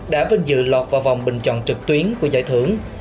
đã vinh dự lọt vào vòng bình chọn trực tuyến của giải thưởng